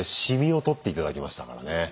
シミを取って頂きましたからね。